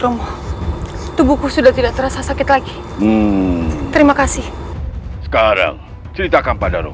romo tubuhku sudah tidak terasa sakit lagi terima kasih sekarang ceritakan padahal